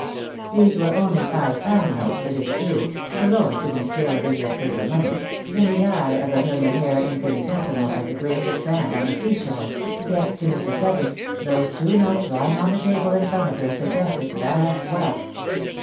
These were only five pound notes, it is true, the lowest in the scale of English paper money — in the eye of a millionaire infinitesimal as the grains of sand on the sea shore — yet to Mrs. Dugget those two notes lying on the table in front of her sug gested vast wealth.